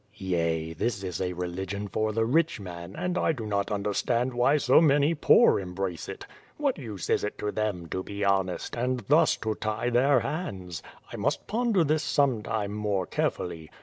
, Yea! this is a religion for the rich man, and I do not under k stand why so many poor embrace it. What use is it to them to be honest, and thus to tie their hands? I must ponder this some time more carefully.